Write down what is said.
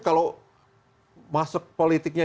kalau masuk politiknya